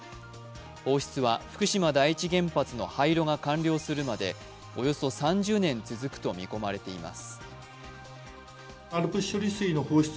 放出は福島第一原発の廃炉が完了するまでおよそ３０年続くと見込まれています。